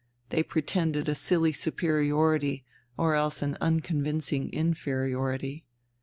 They pretended a silly superiority or else an unconvincing inferiority.